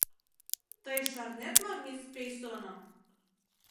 — Тый шарнет мо мисс Пейсоным?